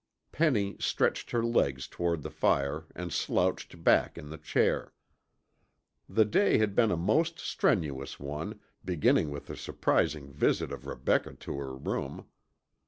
Penny stretched her legs toward the fire and slouched back in the chair. The day had been a most strenuous one, beginning with the surprising visit of Rebecca to her room.